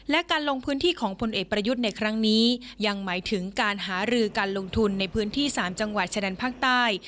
และการลงพื้นที่ของพลเอกประยุทธ์ในครั้งนี้ยังหมายถึงการหารือการลงทุนในพื้นที่๓จังหวัดชะแดนภาคใต้